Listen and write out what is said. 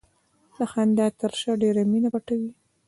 د خندا تر شا ډېره مینه پټه وي.